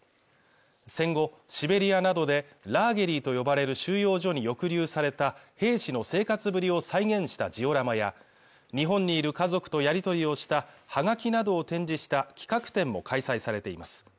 戦後シベリアなどでラーゲリと呼ばれる収容所に抑留された兵士の生活ぶりを再現したジオラマや日本にいる家族とやり取りをしたはがきなどを展示した企画展も開催されています